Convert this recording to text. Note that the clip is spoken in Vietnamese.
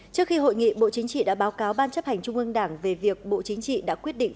trước khi hội nghị bộ chính trị đã báo cáo ban chấp hành trung ương đảng về việc bộ chính trị đã quyết định